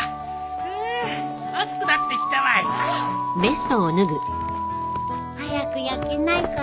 ふう暑くなってきたわい。早く焼けないかな。